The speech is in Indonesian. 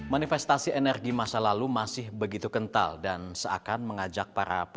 manifestasi energi masa lalu masih begitu kental dan seakan mengajak para pengusaha